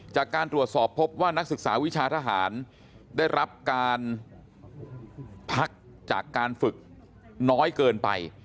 จากการตรวจสอบพบว่านักศึกษาวิชาทหารได้รับการพักจากการฝึกน้อยเกินไป